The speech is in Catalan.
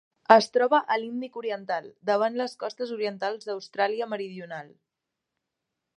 Es troba a l'Índic oriental: davant les costes orientals d'Austràlia Meridional.